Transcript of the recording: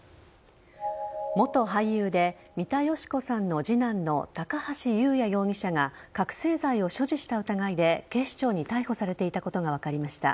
元俳優で三田佳子さんの次男の高橋祐也容疑者が覚醒剤を所持した疑いで警視庁に逮捕されていたことが分かりました。